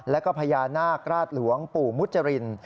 แล้วก็พญานาคราชหลวงปู่มุจริน